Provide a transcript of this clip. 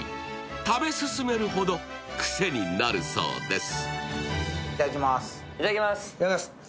食べ進めるほど癖になるそうです。